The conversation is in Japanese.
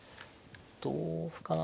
同歩かな。